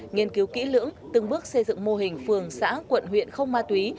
nghiên cứu kỹ lưỡng từng bước xây dựng mô hình phường xã quận huyện không ma túy